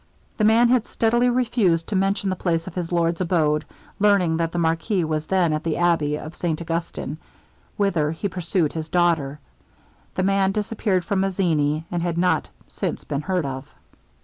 The man had steadily refused to mention the place of his lord's abode. Learning that the marquis was then at the abbey of St Augustin, whither he pursued his daughter, the man disappeared from Mazzini, and had not since been heard of.